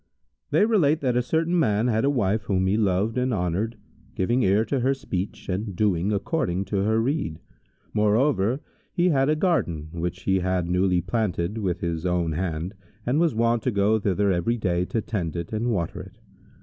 They relate that a certain man had a wife whom he loved and honoured, giving ear to her speech and doing according to her rede. Moreover, he had a garden, which he had newly planted with his own hand, and was wont to go thither every day, to tend it and water it.